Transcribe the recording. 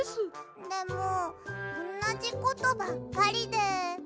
でもおんなじことばっかりで。